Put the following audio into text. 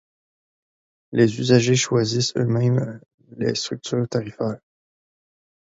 Les usagers choisissent eux-mêmes leur structure tarifaire.